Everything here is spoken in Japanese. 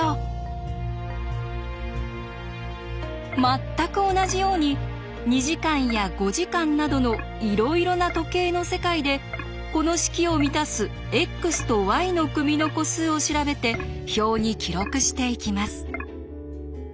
全く同じように２時間や５時間などのいろいろな時計の世界でこの式を満たすｘとｙの組の個数を調べて表に記録していきます。